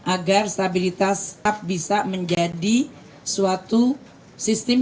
agar stabilitas tetap bisa menjadi suatu sistem